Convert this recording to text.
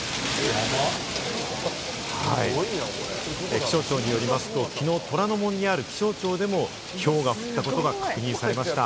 気象庁によりますと昨日、虎ノ門にある気象庁でも、ひょうが降ったことが確認されました。